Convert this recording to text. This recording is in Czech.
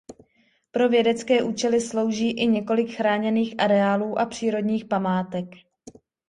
Pro vědecké účely slouží i několik chráněných areálů a přírodních památek.